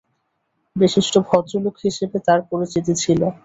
বিশিষ্ট ভদ্রলোক হিসেবে তাঁর পরিচিতি ছিল।